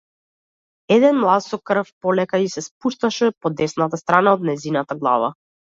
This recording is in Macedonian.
Еден млаз со крв полека ѝ се спушташе по десната страна од нејзината глава.